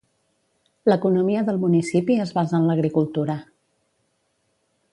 L'economia del municipi es basa en l'agricultura.